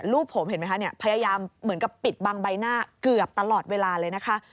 รูปผมเห็นไหมคะเนี่ยพยายามเหมือนกับปิดบังใบหน้าเกือบตลอดเวลาเลยนะคะ